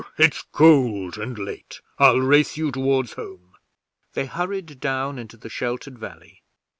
It's cold and late. I'll race you towards home!' They hurried down into the sheltered valley.